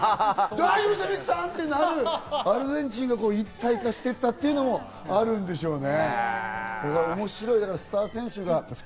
大丈夫ですよ、メッシさん！ってなるアルゼンチンが一体化していったというのもあるんでしょうね。